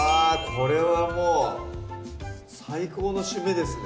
これはもう最高の締めですね